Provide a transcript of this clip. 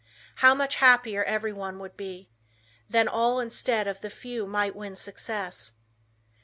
How much happier everyone would be. Then all instead of the few might win success.